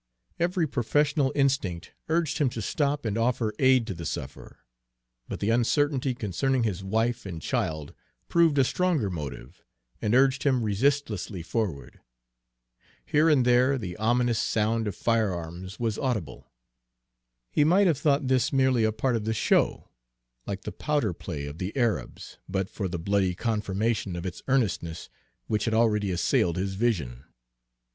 Every professional instinct urged him to stop and offer aid to the sufferer; but the uncertainty concerning his wife and child proved a stronger motive and urged him resistlessly forward. Here and there the ominous sound of firearms was audible. He might have thought this merely a part of the show, like the "powder play" of the Arabs, but for the bloody confirmation of its earnestness which had already assailed his vision.